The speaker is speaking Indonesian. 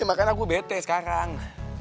ya makanya aku bete sekarang